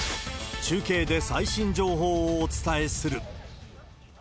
中継で最新情報をお伝えする。